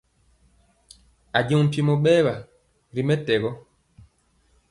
Ajɔŋ mpiemɔ bɛwa ri mɛtɛgɔ.